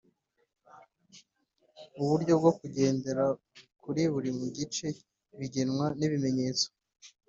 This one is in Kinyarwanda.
Uburyo bwo kugendera kuri buri gice bigengwa n'ibimenyetso